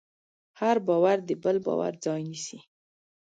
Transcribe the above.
هر باور د بل باور ځای نيسي.